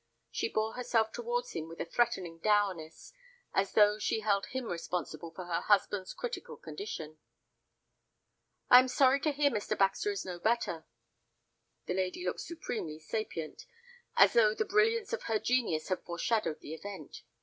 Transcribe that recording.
She bore herself towards him with a threatening dourness, as though she held him responsible for her husband's critical condition. "I am sorry to hear Mr. Baxter is no better." The lady looked supremely sapient, as though the brilliance of her genius had foreshadowed the event.